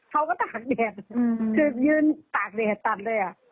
ตากแดดคือยืนตากแดดตัดเลยอ่ะ